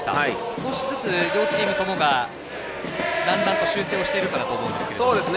少しずつ両チームともがだんだんと修正をしているかなと思うんですけれども。